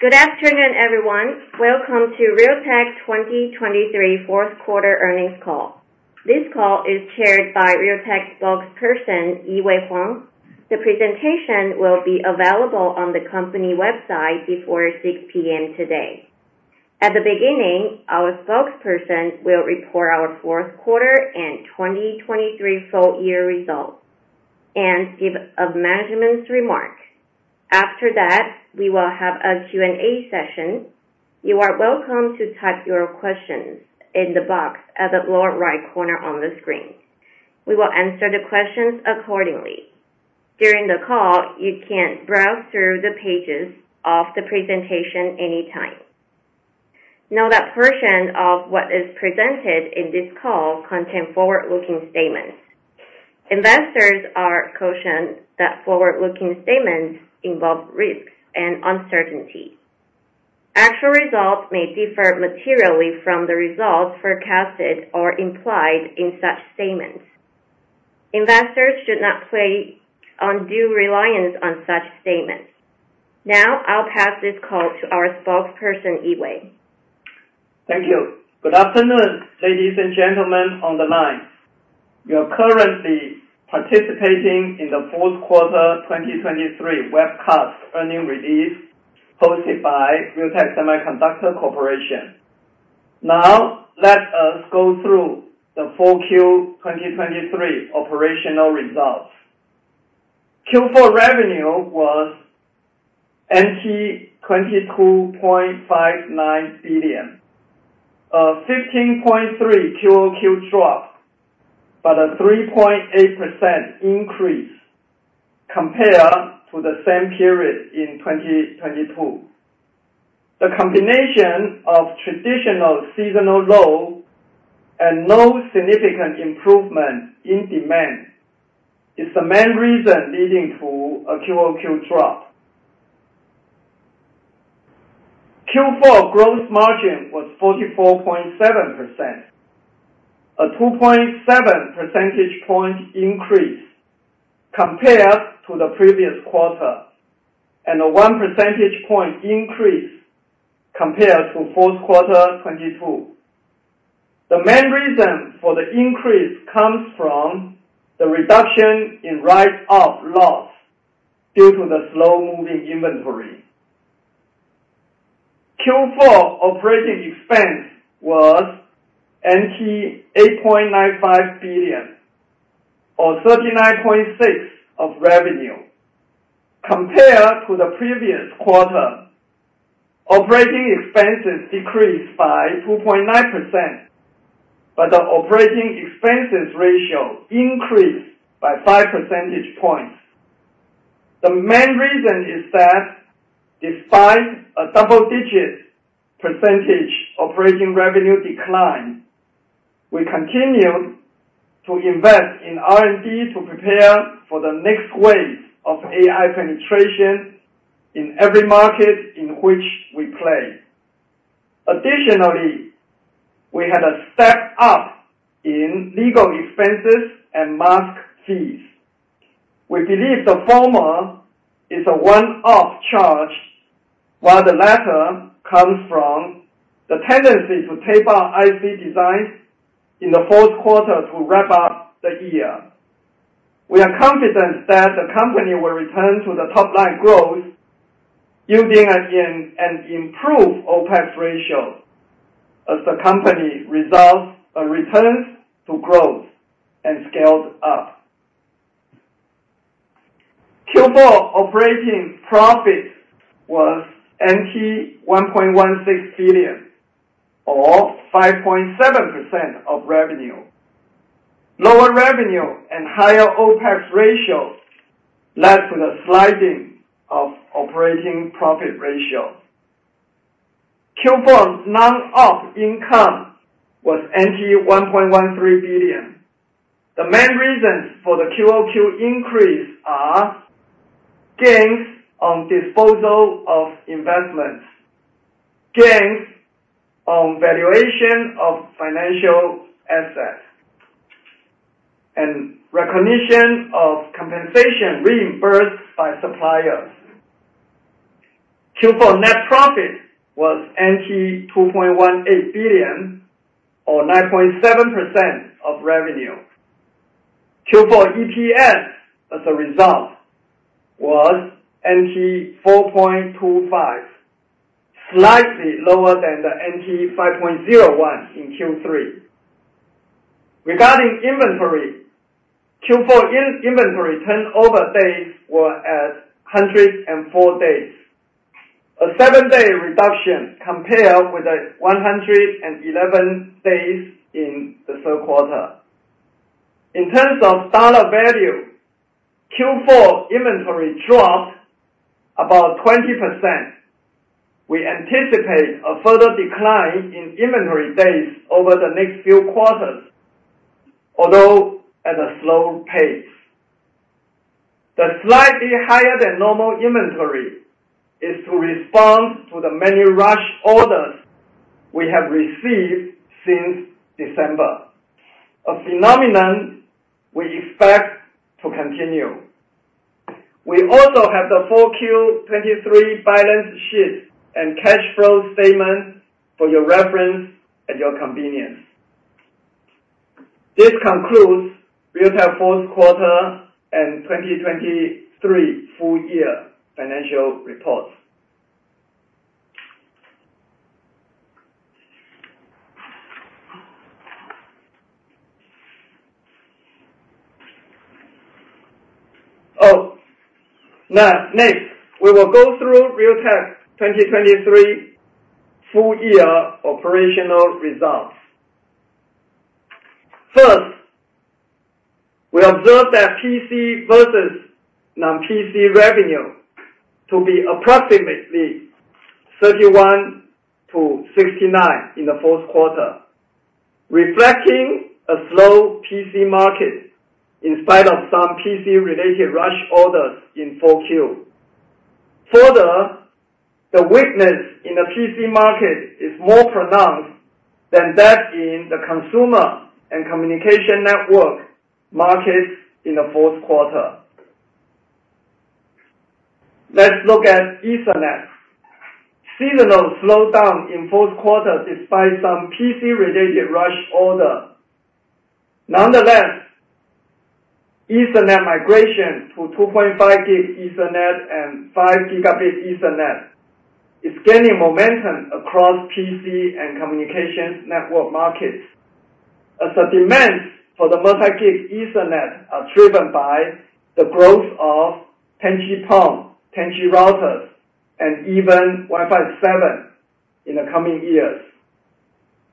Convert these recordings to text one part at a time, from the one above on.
Good afternoon, everyone. Welcome to Realtek 2023 fourth quarter earnings call. This call is chaired by Realtek spokesperson, Yee-Wei Huang. The presentation will be available on the company website before 6 P.M. today. At the beginning, our spokesperson will report our fourth quarter and 2023 full year results and give a management's remark. After that, we will have a Q&A session. You are welcome to type your questions in the box at the lower right corner on the screen. We will answer the questions accordingly. During the call, you can browse through the pages of the presentation anytime. Note that portion of what is presented in this call contain forward-looking statements. Investors are cautioned that forward-looking statements involve risks and uncertainty. Actual results may differ materially from the results forecasted or implied in such statements. Investors should not place undue reliance on such statements. Now, I'll pass this call to our spokesperson, Yee-Wei. Thank you. Good afternoon, ladies and gentlemen on the line. You are currently participating in the fourth quarter 2023 webcast earnings release, hosted by Realtek Semiconductor Corporation. Now, let us go through the full year 2023 operational results. Q4 revenue was NT$22.59 billion, a 15.3 QOQ drop, but a 3.8% increase compared to the same period in 2022. The combination of traditional seasonal low and no significant improvement in demand is the main reason leading to a QOQ drop. Q4 gross margin was 44.7%, a 2.7 percentage point increase compared to the previous quarter, and a one percentage point increase compared to fourth quarter 2022. The main reason for the increase comes from the reduction in write-off loss due to the slow-moving inventory. Q4 operating expense was NT$8.95 billion, or 39.6% of revenue. Compared to the previous quarter, operating expenses decreased by 2.9%, but the operating expenses ratio increased by five percentage points. The main reason is that despite a double-digit percentage operating revenue decline, we continue to invest in R&D to prepare for the next wave of AI penetration in every market in which we play. Additionally, we had a step up in legal expenses and mask fees. We believe the former is a one-off charge, while the latter comes from the tendency to tape out IC designs in the fourth quarter to wrap up the year. We are confident that the company will return to the top-line growth using again, an improved OPEX ratio as the company resolves and returns to growth and scales up. Q4 operating profit was NT$ 1.16 billion, or 5.7% of revenue. Lower revenue and higher OPEX ratio led to the sliding of operating profit ratio. Q4 non-OP income was NT$ 1.13 billion. The main reasons for the QOQ increase are gains on disposal of investments, gains on valuation of financial assets, and recognition of compensation reimbursed by suppliers. Q4 net profit was NT$ 2.18 billion, or 9.7% of revenue. Q4 EPS, as a result, was NT$ 4.25, slightly lower than the NT$ 5.01 in Q3. Regarding inventory, Q4 inventory turnover days were at 104 days, a seven-day reduction compared with the 111 days in the third quarter. In terms of dollar value, Q4 inventory dropped about 20%. We anticipate a further decline in inventory days over the next few quarters, although at a slow pace. The slightly higher than normal inventory is to respond to the many rush orders we have received since December.... A phenomenon we expect to continue. We also have the 4Q 2023 balance sheet and cash flow statement for your reference at your convenience. This concludes Realtek fourth quarter and 2023 full year financial report. Oh, now, next, we will go through Realtek 2023 full year operational results. First, we observed that PC versus non-PC revenue to be approximately 31-69 in the fourth quarter, reflecting a slow PC market in spite of some PC related rush orders in 4Q. Further, the weakness in the PC market is more pronounced than that in the consumer and communication network markets in the fourth quarter. Let's look at Ethernet. Seasonal slowdown in fourth quarter, despite some PC-related rush order. Nonetheless, Ethernet migration to 2.5 gig Ethernet and 5 gigabit Ethernet is gaining momentum across PC and communications network markets. As the demands for the multi-gig Ethernet are driven by the growth of 10G PON, 10G routers, and even Wi-Fi 7 in the coming years.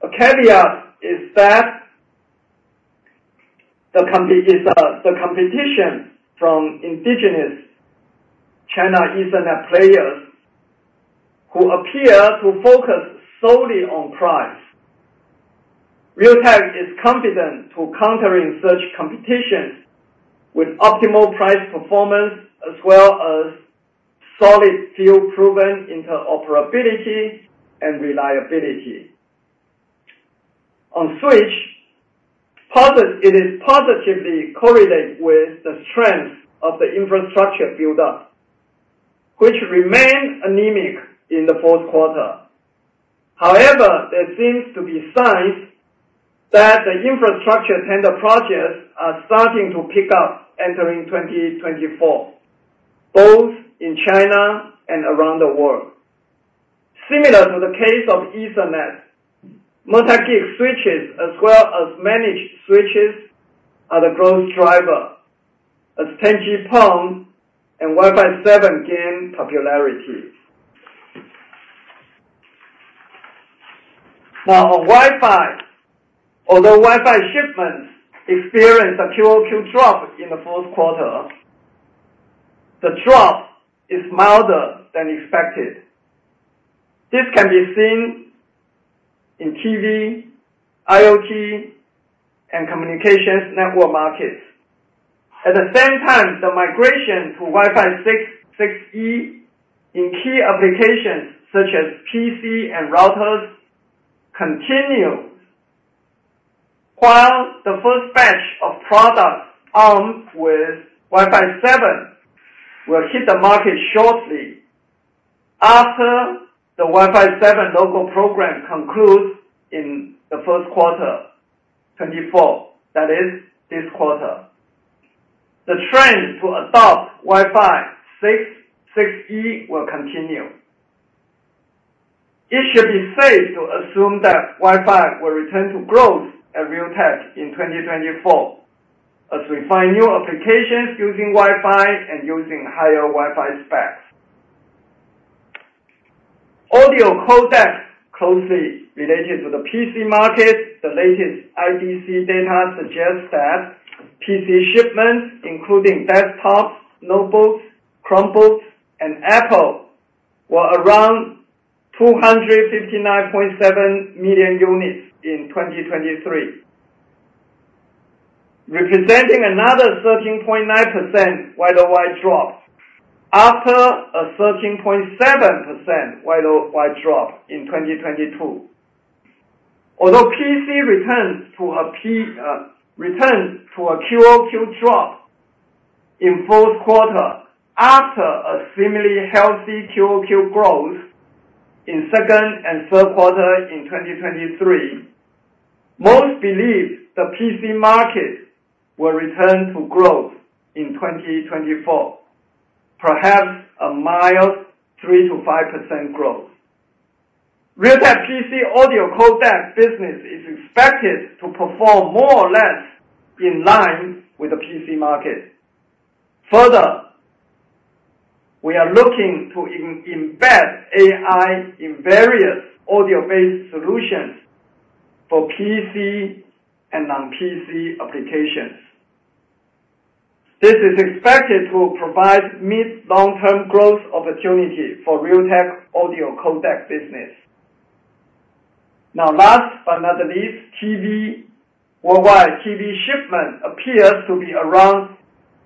A caveat is that the competition from indigenous China Ethernet players, who appear to focus solely on price. Realtek is confident to countering such competitions with optimal price performance, as well as solid field-proven interoperability and reliability. On switch, it is positively correlated with the strength of the infrastructure build-up, which remained anemic in the fourth quarter. However, there seems to be signs that the infrastructure tender projects are starting to pick up entering 2024, both in China and around the world. Similar to the case of Ethernet, multi-gig switches, as well as managed switches, are the growth driver as 10G PON and Wi-Fi 7 gain popularity. Now, on Wi-Fi, although Wi-Fi shipments experienced a QOQ drop in the fourth quarter, the drop is milder than expected. This can be seen in TV, IoT, and communications network markets. At the same time, the migration to Wi-Fi 6, 6E in key applications such as PC and routers continues. While the first batch of products armed with Wi-Fi 7 will hit the market shortly after the Wi-Fi 7 Logo program concludes in the first quarter, 2024, that is this quarter. The trend to adopt Wi-Fi 6, 6E will continue. It should be safe to assume that Wi-Fi will return to growth at Realtek in 2024, as we find new applications using Wi-Fi and using higher Wi-Fi specs. Audio codec, closely related to the PC market. The latest IDC data suggests that PC shipments, including desktops, notebooks, Chromebooks, and Apple, were around 259.7 million units in 2023, representing another 13.9% Y-o-Y drop after a 13.7% Y-o-Y drop in 2022. Although PC returns to a QOQ drop in fourth quarter after a seemingly healthy QOQ growth in second and third quarter in 2023, most believe the PC market will return to growth in 2024, perhaps a mild 3%-5% growth. Realtek PC audio codec business is expected to perform more or less in line with the PC market. Further, we are looking to embed AI in various audio-based solutions for PC and non-PC applications. This is expected to provide mid, long-term growth opportunity for Realtek audio codec business. Now, last but not least, TV. Worldwide TV shipment appears to be around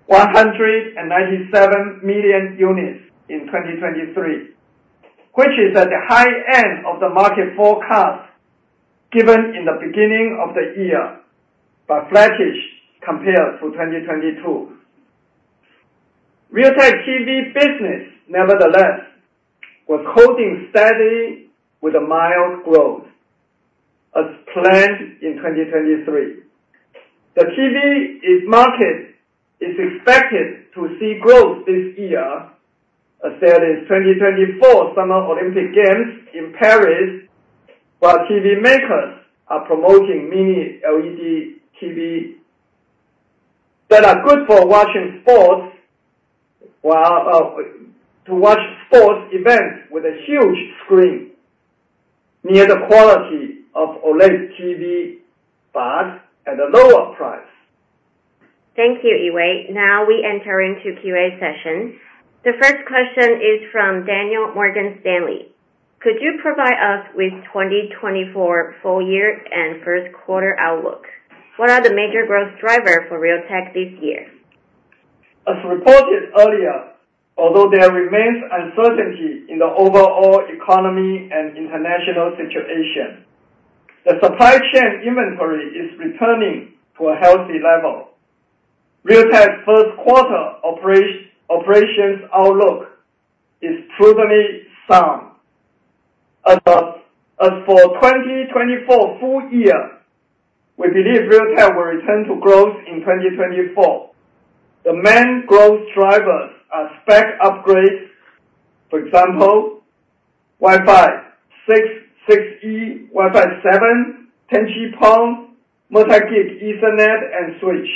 197 million units in 2023.... which is at the high end of the market forecast, given in the beginning of the year, but flattish compared to 2022. Realtek TV business, nevertheless, was holding steady with a mild growth, as planned in 2023. The TV, its market, is expected to see growth this year, as there is 2024 Summer Olympic Games in Paris, while TV makers are promoting Mini LED TV that are good for watching sports, while, to watch sports events with a huge screen, near the quality of OLED TV, but at a lower price. Thank you, Yee-Wei. Now we enter into QA session. The first question is from Daniel, Morgan Stanley. Could you provide us with 2024 full year and first quarter outlook? What are the major growth drivers for Realtek this year? As reported earlier, although there remains uncertainty in the overall economy and international situation, the supply chain inventory is returning to a healthy level. Realtek's first quarter operations outlook is provenly sound. As for 2024 full year, we believe Realtek will return to growth in 2024. The main growth drivers are spec upgrades. For example, Wi-Fi 6, 6E, Wi-Fi 7, 10G PON, multi-gig Ethernet and switch,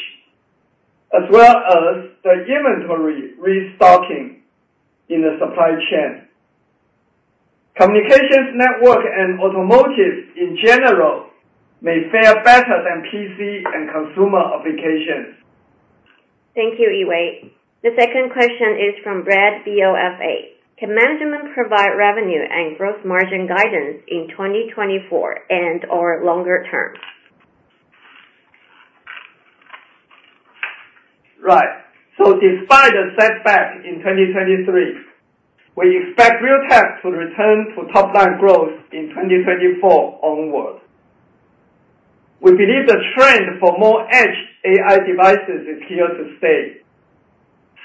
as well as the inventory restocking in the supply chain. Communications, network, and automotive in general may fare better than PC and consumer applications. Thank you, Yee-Wei. The second question is from Brad, BofA. Can management provide revenue and gross margin guidance in 2024 and/or longer term? Right. So despite the setback in 2023, we expect Realtek to return to top-line growth in 2024 onward. We believe the trend for more edge AI devices is here to stay.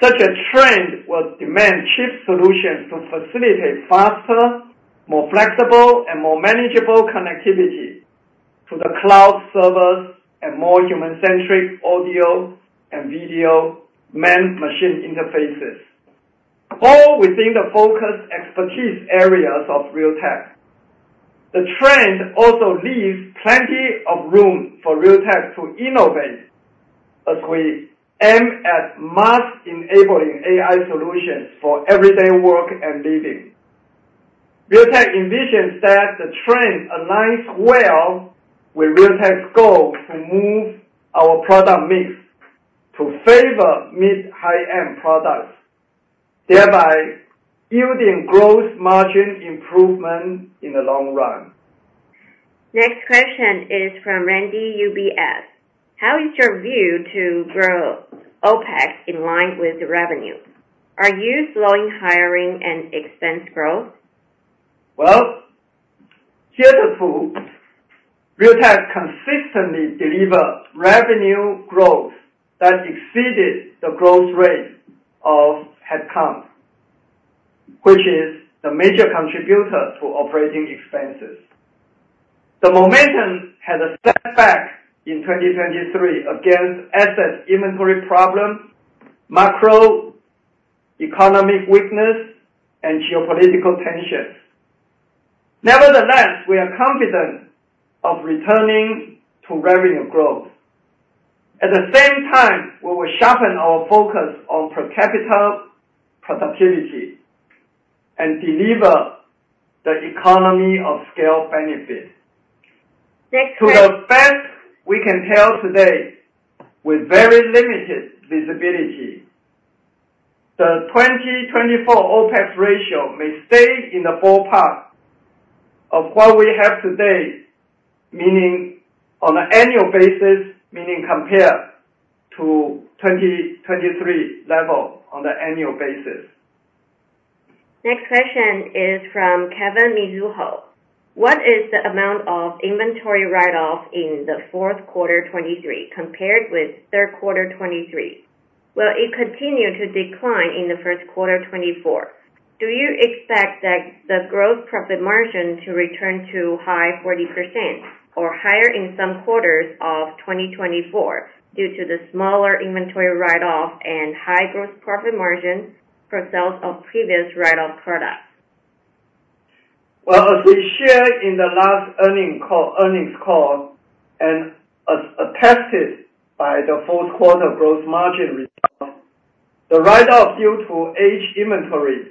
Such a trend will demand chip solutions to facilitate faster, more flexible, and more manageable connectivity to the cloud servers and more human-centric audio and video man-machine interfaces, all within the focused expertise areas of Realtek. The trend also leaves plenty of room for Realtek to innovate, as we aim at mass enabling AI solutions for everyday work and living. Realtek envisions that the trend aligns well with Realtek's goal to move our product mix to favor mid-high-end products, thereby yielding gross margin improvement in the long run. Next question is from Randy, UBS. How is your view to grow OPEX in line with the revenue? Are you slowing hiring and expense growth? Well, heretofore, Realtek consistently delivered revenue growth that exceeded the growth rate of headcount, which is the major contributor to operating expenses. The momentum had a setback in 2023 against asset inventory problems, macroeconomic weakness, and geopolitical tensions. Nevertheless, we are confident of returning to revenue growth. At the same time, we will sharpen our focus on per capita productivity and deliver the economy of scale benefit. Next quest- To the best we can tell today, with very limited visibility, the 2024 OPEX ratio may stay in the ballpark of what we have today, meaning on an annual basis, meaning compared to 2023 level on the annual basis. Next question is from Kevin, Mizuho. What is the amount of inventory write-off in the fourth quarter 2023, compared with third quarter 2023? Will it continue to decline in the first quarter 2024? Do you expect that the gross profit margin to return to high 40% or higher in some quarters of 2024, due to the smaller inventory write-off and high gross profit margin for sales of previous write-off products? Well, as we shared in the last earnings call, and as attested by the fourth quarter gross margin result, the write-off due to aged inventory,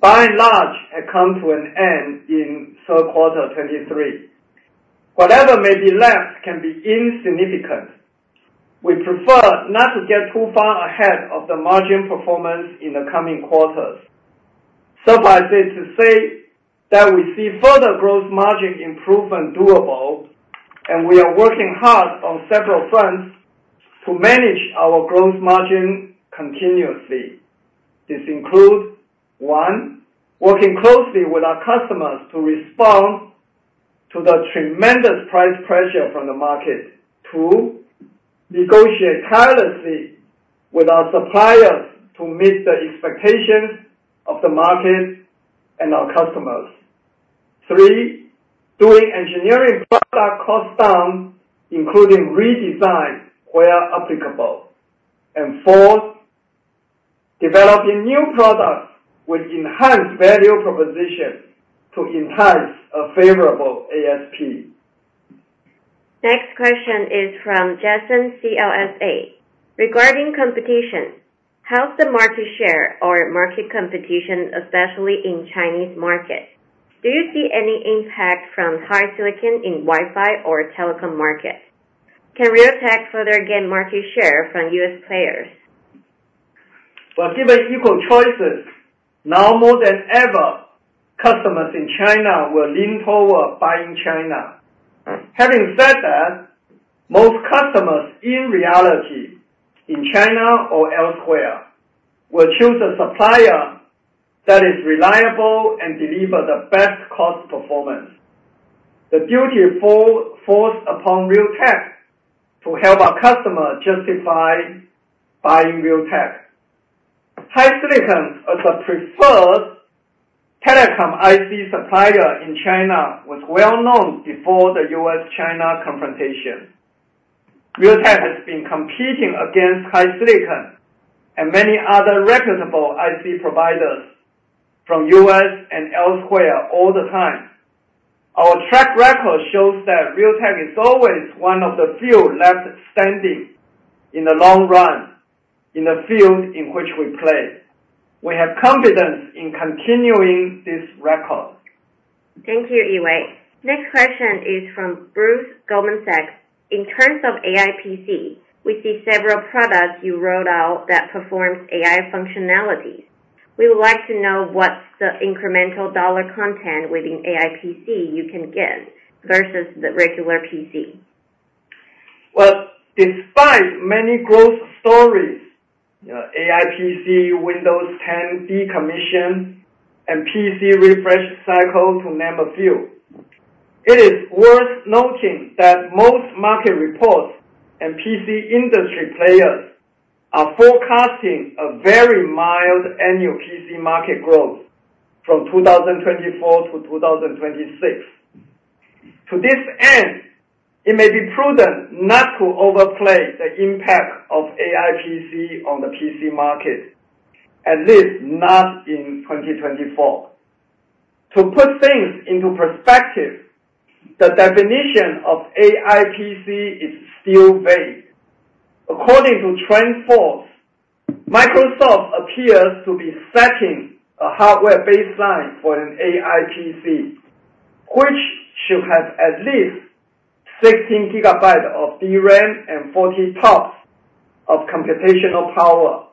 by and large, had come to an end in third quarter 2023. Whatever may be left can be insignificant. We prefer not to get too far ahead of the margin performance in the coming quarters. Suffice it to say that we see further gross margin improvement doable, and we are working hard on several fronts to manage our gross margin continuously. This includes, one, working closely with our customers to respond to the tremendous price pressure from the market. Two, negotiate tirelessly with our suppliers to meet the expectations of the market and our customers. Three, doing engineering product cost down, including redesign where applicable. And four, developing new products with enhanced value propositions to enhance a favorable ASP. Next question is from Jason, CLSA. Regarding competition, how's the market share or market competition, especially in Chinese market? Do you see any impact from HiSilicon in Wi-Fi or telecom market? Can Realtek further gain market share from U.S. players? Well, given equal choices, now more than ever, customers in China will lean toward buying China. Having said that, most customers, in reality, in China or elsewhere, will choose a supplier that is reliable and deliver the best cost performance. The duty falls upon Realtek to help our customer justify buying Realtek. HiSilicon, as a preferred telecom IC supplier in China, was well known before the U.S.-China confrontation. Realtek has been competing against HiSilicon and many other reputable IC providers from U.S. and elsewhere all the time. Our track record shows that Realtek is always one of the few left standing in the long run, in the field in which we play. We have confidence in continuing this record. Thank you, Yee-Wei. Next question is from Bruce, Goldman Sachs: In terms of AI PC, we see several products you rolled out that performs AI functionalities. We would like to know what's the incremental dollar content within AI PC you can get versus the regular PC? Well, despite many growth stories, AI PC, Windows 10 decommission, and PC refresh cycle to name a few, it is worth noting that most market reports and PC industry players are forecasting a very mild annual PC market growth from 2024 to 2026. To this end, it may be prudent not to overplay the impact of AI PC on the PC market, at least not in 2024. To put things into perspective, the definition of AI PC is still vague. According to TrendForce, Microsoft appears to be setting a hardware baseline for an AI PC, which should have at least 16 GB of DRAM and 40 TOPS of computational power.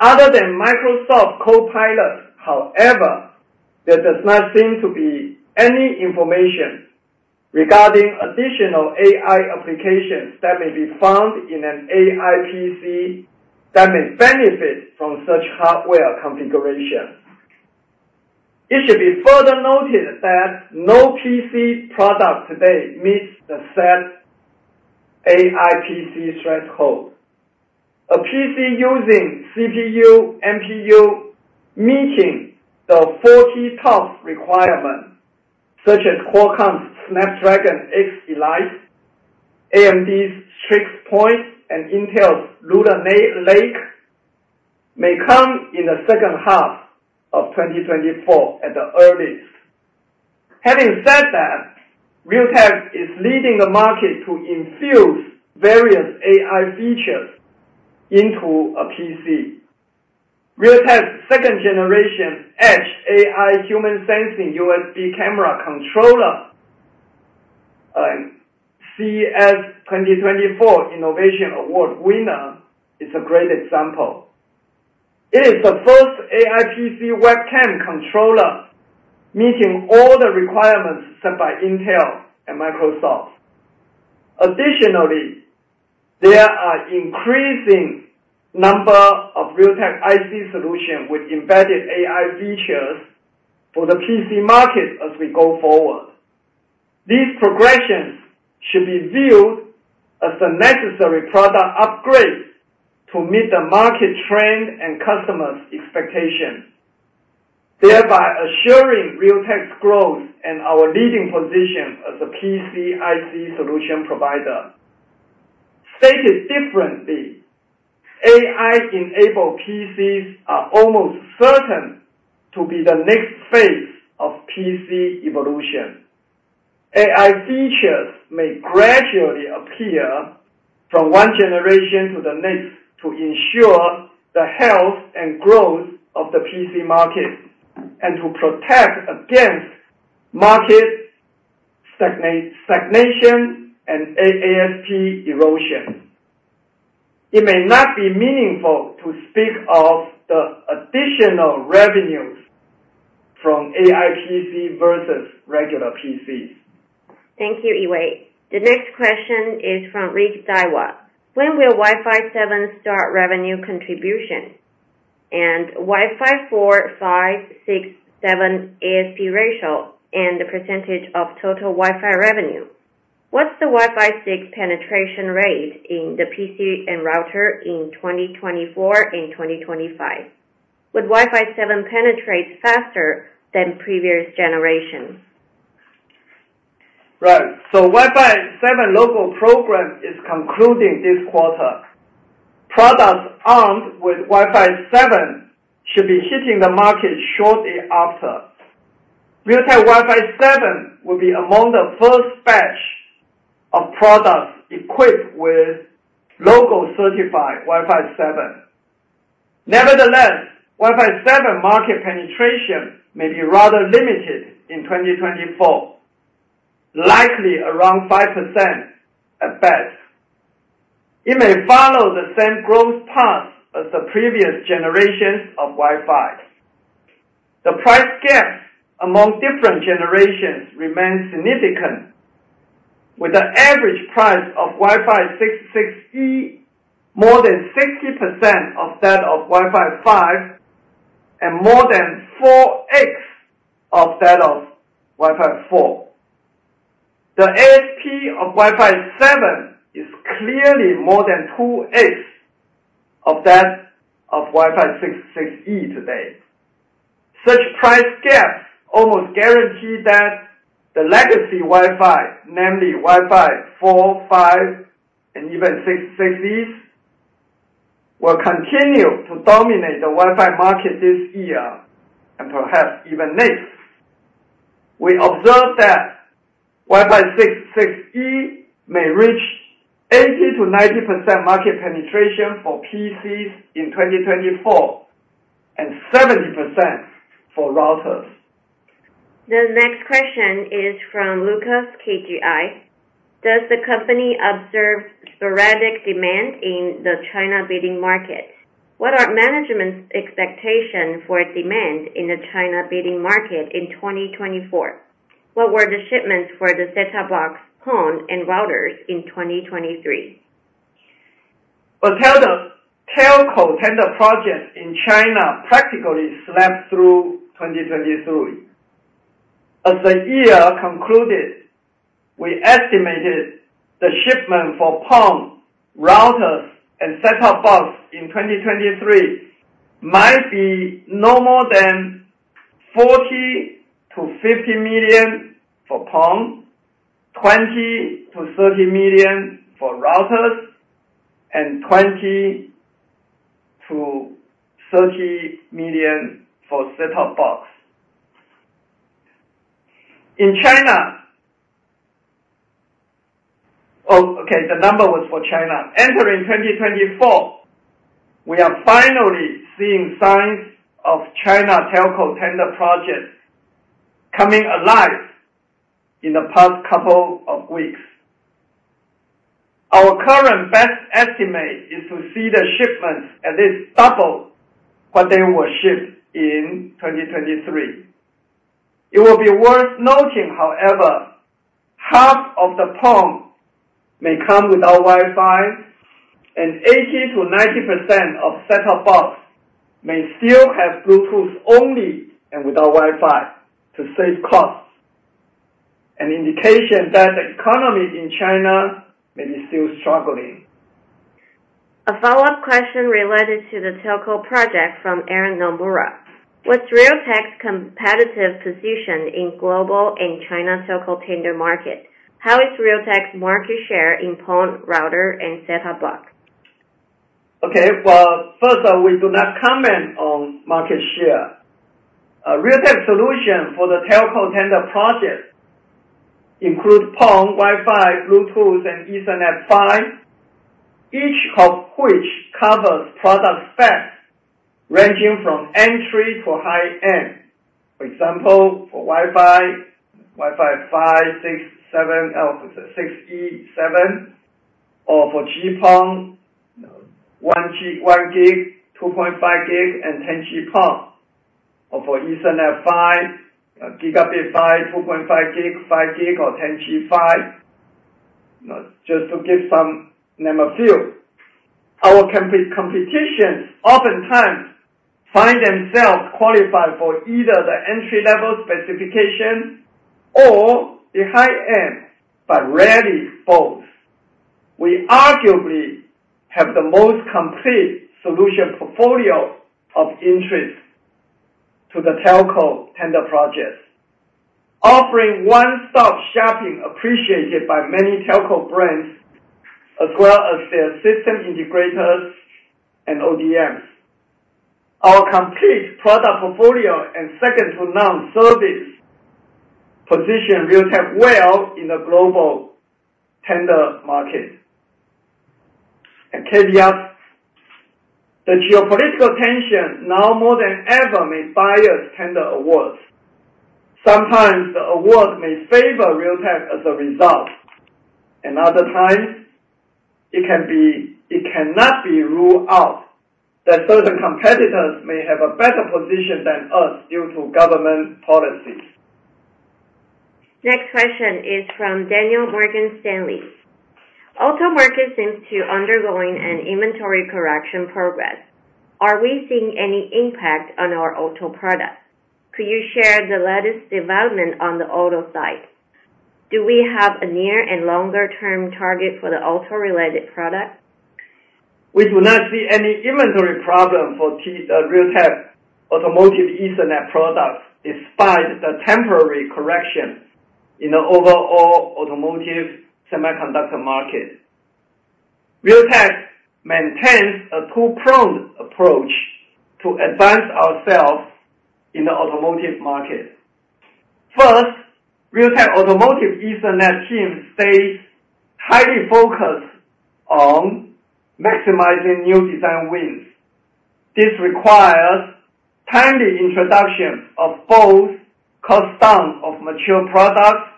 Other than Microsoft Copilot, however, there does not seem to be any information regarding additional AI applications that may be found in an AI PC that may benefit from such hardware configuration. It should be further noted that no PC product today meets the set AI PC threshold. A PC using CPU, NPU, meeting the 40 TOPS requirement, such as Qualcomm's Snapdragon X Elite, AMD's Strix Point, and Intel's Lunar Lake, may come in the second half of 2024 at the earliest. Having said that, Realtek is leading the market to infuse various AI features into a PC. Realtek's second generation Edge AI human sensing USB camera controller, and CES 2024 Innovation Award winner, is a great example. It is the first AI PC webcam controller meeting all the requirements set by Intel and Microsoft. Additionally, there are increasing number of Realtek IC solution with embedded AI features for the PC market as we go forward. These progressions should be viewed as a necessary product upgrade to meet the market trend and customers' expectations, thereby assuring Realtek's growth and our leading position as a PC IC solution provider. Stated differently, AI-enabled PCs are almost certain to be the next phase of PC evolution. AI features may gradually appear from one generation to the next, to ensure the health and growth of the PC market, and to protect against market stagnation and ASP erosion. It may not be meaningful to speak of the additional revenues from AI PC versus regular PCs. Thank you, Yee-Wei. The next question is from Rick from Daiwa. When will Wi-Fi 7 start revenue contribution? And Wi-Fi 4, 5, 6, 7 ASP ratio and the percentage of total Wi-Fi revenue. What's the Wi-Fi 6 penetration rate in the PC and router in 2024 and 2025? Would Wi-Fi 7 penetrate faster than previous generations? Right. So Wi-Fi 7 Logo program is concluding this quarter. Products armed with Wi-Fi 7 should be hitting the market shortly after. Realtek Wi-Fi 7 will be among the first batch of products equipped with logo-certified Wi-Fi 7. Nevertheless, Wi-Fi 7 market penetration may be rather limited in 2024, likely around 5% at best. It may follow the same growth path as the previous generations of Wi-Fi. The price gaps among different generations remain significant, with the average price of Wi-Fi 6, 6E, more than 60% of that of Wi-Fi 5, and more than 4x of that of Wi-Fi 4. The ASP of Wi-Fi 7 is clearly more than 2x of that of Wi-Fi 6, 6E today. Such price gaps almost guarantee that the legacy Wi-Fi, namely Wi-Fi 4, 5, and even 6, 6E, will continue to dominate the Wi-Fi market this year and perhaps even next. We observe that Wi-Fi 6, 6E may reach 80%-90% market penetration for PCs in 2024, and 70% for routers. The next question is from Lucas, KGI. Does the company observe sporadic demand in the China bidding market? What are management's expectation for demand in the China bidding market in 2024? What were the shipments for the Set-Top Box, PON, and routers in 2023? Well, the telco tender projects in China practically slept through 2023. As the year concluded, we estimated the shipment for PON, routers, and set-top box in 2023 might be no more than 40-50 million for PON, 20-30 million for routers, and 20-30 million for set-top box. In China... Oh, okay, the number was for China. Entering 2024, we are finally seeing signs of China telco tender projects coming alive in the past couple of weeks. Our current best estimate is to see the shipments at least double what they were shipped in 2023. It will be worth noting, however, half of the PON may come without Wi-Fi, and 80%-90% of set-top box may still have Bluetooth only and without Wi-Fi to save costs, an indication that the economy in China may be still struggling. A follow-up question related to the telco project from Aaron from Nomura. What's Realtek's competitive position in global and China telco tender market? How is Realtek's market share in PON, router, and set-top box? Okay. Well, first, we do not comment on market share. Realtek solution for the telco tender project include PON, Wi-Fi, Bluetooth, and Ethernet PHY, each of which covers product specs ranging from entry to high-end. For example, for Wi-Fi, Wi-Fi 5, 6, 7, 6E, 7, or for GPON, 1G, 1 gig, 2.5 gig, and 10G PON. Or for Ethernet PHY, gigabit PHY, 2.5 gig, 5 gig, or 10G PHY. Just to name a few. Our competition oftentimes find themselves qualified for either the entry-level specification or the high-end, but rarely both. We arguably have the most complete solution portfolio of interest to the telco tender projects, offering one-stop shopping appreciated by many telco brands, as well as their system integrators and ODMs. Our complete product portfolio and second-to-none service position Realtek well in the global tender market. And caveat, the geopolitical tension now more than ever may bias tender awards. Sometimes the award may favor Realtek as a result, and other times it cannot be ruled out that certain competitors may have a better position than us due to government policies. Next question is from Daniel, Morgan Stanley. Auto market seems to undergoing an inventory correction progress. Are we seeing any impact on our auto products? Could you share the latest development on the auto side? Do we have a near and longer term target for the auto-related product? We do not see any inventory problem for Realtek automotive Ethernet products, despite the temporary correction in the overall automotive semiconductor market. Realtek maintains a two-pronged approach to advance ourselves in the automotive market. First, Realtek Automotive Ethernet team stays highly focused on maximizing new design wins. This requires timely introduction of both cost down of mature products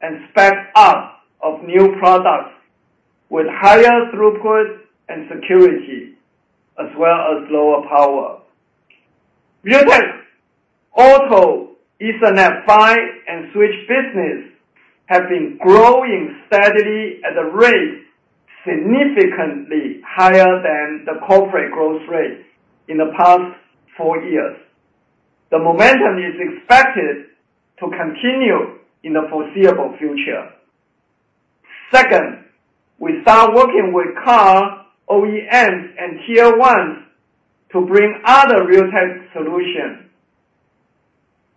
and spec ups of new products, with higher throughput and security, as well as lower power. Realtek Auto Ethernet PHY and switch business have been growing steadily at a rate significantly higher than the corporate growth rate in the past four years. The momentum is expected to continue in the foreseeable future. Second, we start working with car OEMs and Tier 1s, to bring other Realtek solutions,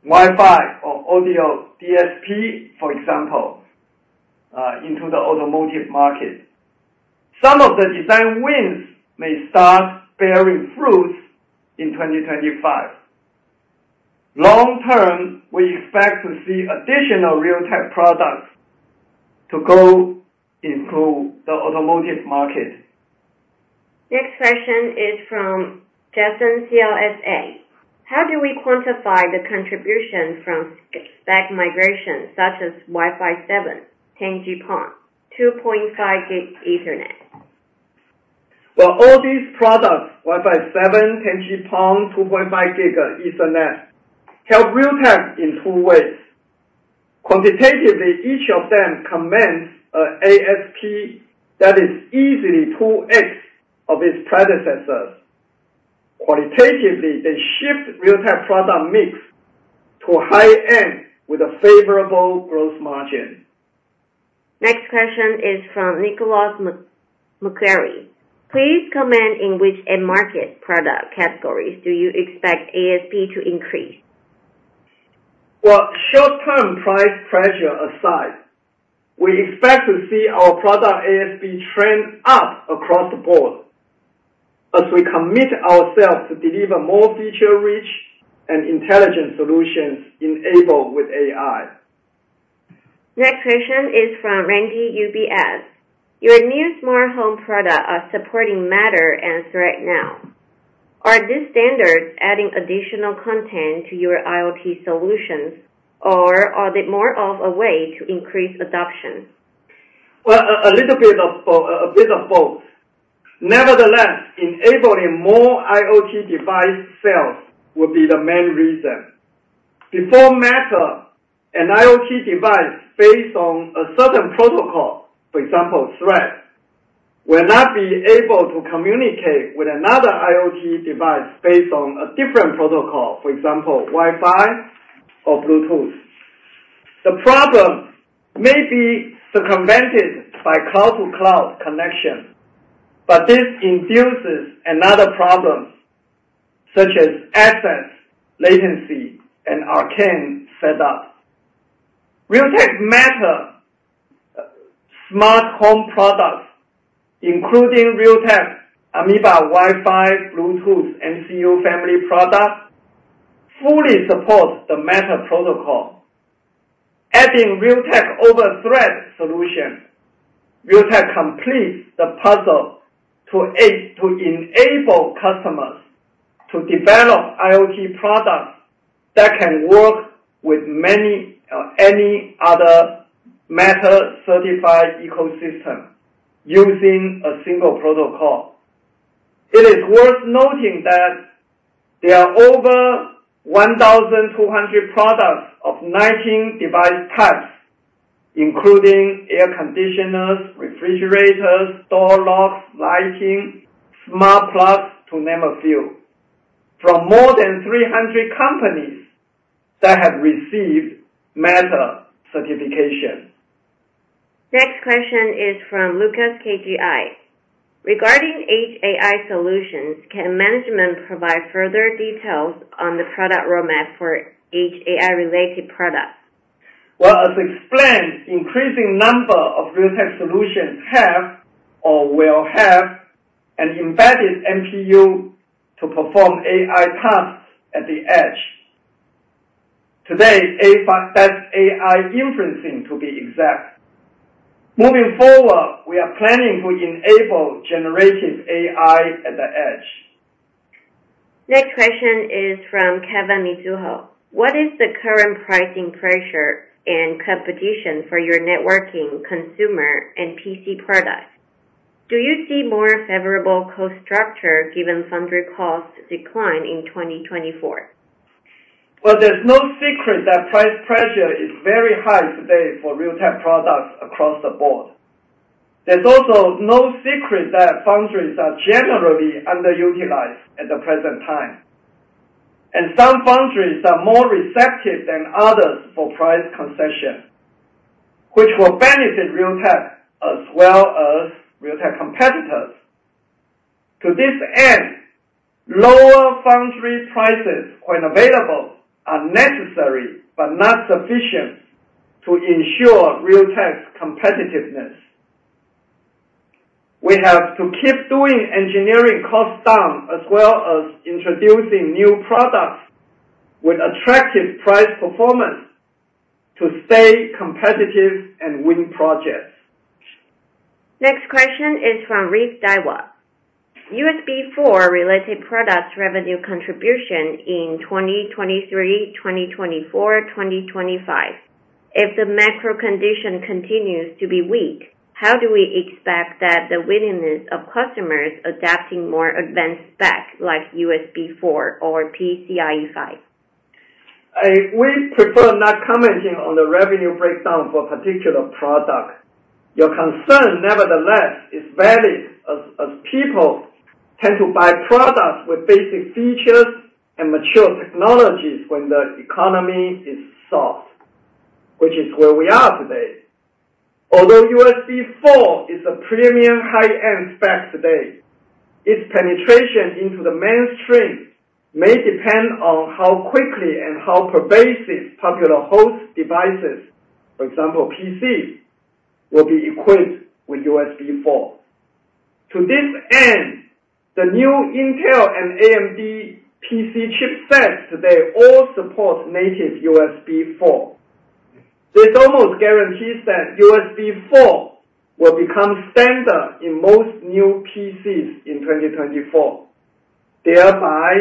Wi-Fi or audio DSP, for example, into the automotive market. Some of the design wins may start bearing fruits in 2025. Long term, we expect to see additional Realtek products to go into the automotive market. Next question is from Jason, CLSA. How do we quantify the contribution from spec migration, such as Wi-Fi 7, 10G PON, 2.5G Ethernet? Well, all these products, Wi-Fi 7, 10G PON, 2.5G Ethernet, help Realtek in two ways. Quantitatively, each of them commands an ASP that is easily 2x of its predecessors. Qualitatively, they shift Realtek product mix to a high end with a favorable gross margin. Next question is from Nicolas, Macquarie. Please comment in which end market product categories do you expect ASP to increase? Well, short-term price pressure aside, we expect to see our product ASP trend up across the board as we commit ourselves to deliver more feature-rich and intelligent solutions enabled with AI. Next question is from Randy, UBS. Your new smart home products are supporting Matter and Thread now. Are these standards adding additional content to your IoT solutions, or are they more of a way to increase adoption? Well, a little bit of both, a bit of both. Nevertheless, enabling more IoT device sales will be the main reason. Before Matter, an IoT device based on a certain protocol, for example, Thread, will not be able to communicate with another IoT device based on a different protocol, for example, Wi-Fi or Bluetooth. The problem may be circumvented by cloud-to-cloud connection, but this induces another problem, such as access, latency, and arcane setup. Realtek Matter smart home products, including Realtek Ameba Wi-Fi, Bluetooth, MCU family products, fully support the Matter protocol. Adding Realtek OpenThread solution, Realtek completes the puzzle to enable customers to develop IoT products that can work with many, any other Matter-certified ecosystem using a single protocol. It is worth noting that there are over 1,200 products of 19 device types, including air conditioners, refrigerators, door locks, lighting, smart plugs, to name a few, from more than 300 companies that have received Matter certification. Next question is from Lucas, KGI. Regarding edge AI solutions, can management provide further details on the product roadmap for each AI-related product? Well, as explained, increasing number of Realtek solutions have or will have an embedded NPU to perform AI tasks at the edge. Today, AI, that's AI inferencing, to be exact. Moving forward, we are planning to enable generative AI at the edge.... Next question is from Kevin Mizuho. What is the current pricing pressure and competition for your networking, consumer, and PC products? Do you see more favorable cost structure given foundry cost decline in 2024? Well, there's no secret that price pressure is very high today for Realtek products across the board. There's also no secret that foundries are generally underutilized at the present time, and some foundries are more receptive than others for price concession, which will benefit Realtek as well as Realtek competitors. To this end, lower foundry prices, when available, are necessary, but not sufficient, to ensure Realtek's competitiveness. We have to keep doing engineering costs down, as well as introducing new products with attractive price performance to stay competitive and win projects. Next question is from Rick, Daiwa. USB4 related products revenue contribution in 2023, 2024, 2025. If the macro condition continues to be weak, how do we expect that the willingness of customers adapting more advanced spec, like USB4 or PCIe 5? We prefer not commenting on the revenue breakdown for a particular product. Your concern, nevertheless, is valid as people tend to buy products with basic features and mature technologies when the economy is soft, which is where we are today. Although USB4 is a premium high-end spec today, its penetration into the mainstream may depend on how quickly and how pervasive popular host devices, for example, PCs, will be equipped with USB4. To this end, the new Intel and AMD PC chipsets today all support native USB4. This almost guarantees that USB4 will become standard in most new PCs in 2024, thereby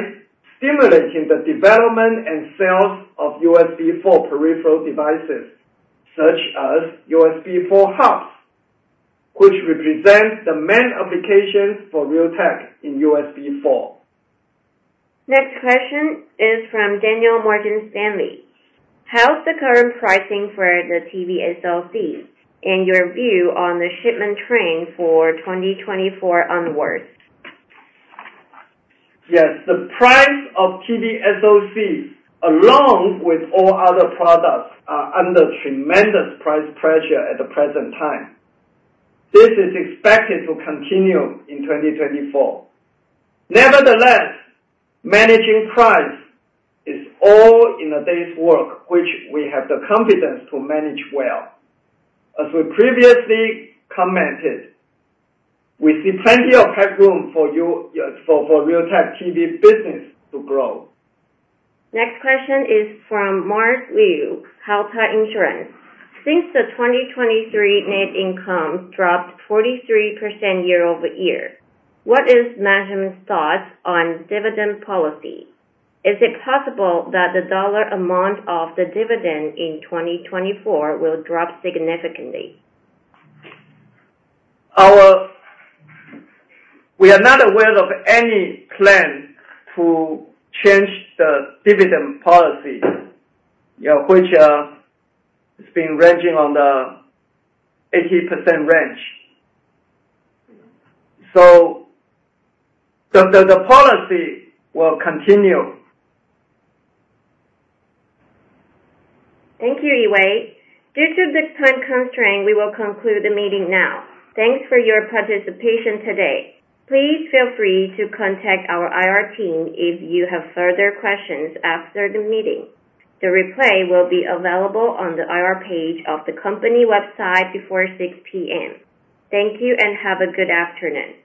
stimulating the development and sales of USB4 peripheral devices, such as USB4 hubs, which represent the main application for Realtek in USB4. Next question is from Daniel from Morgan Stanley. How's the current pricing for the TV SoC, and your view on the shipment trend for 2024 onwards? Yes, the price of TV SoC, along with all other products, are under tremendous price pressure at the present time. This is expected to continue in 2024. Nevertheless, managing price is all in a day's work, which we have the confidence to manage well. As we previously commented, we see plenty of headroom for Realtek TV business to grow. Next question is from Mark Liu, Fubon Insurance. Since the 2023 net income dropped 43% year-over-year, what is management's thoughts on dividend policy? Is it possible that the dollar amount of the dividend in 2024 will drop significantly? We are not aware of any plan to change the dividend policy, you know, which has been ranging on the 80% range. So the policy will continue. Thank you, Yee-Wei. Due to the time constraint, we will conclude the meeting now. Thanks for your participation today. Please feel free to contact our IR team if you have further questions after the meeting. The replay will be available on the IR page of the company website before 6:00 P.M. Thank you, and have a good afternoon.